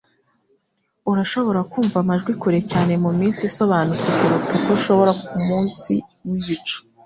Urashobora kumva amajwi kure cyane muminsi isobanutse kuruta uko ushobora kumunsi wibicu